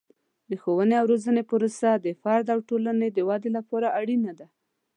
د ښوونې او روزنې پروسه د فرد او ټولنې د ودې لپاره اړینه ده.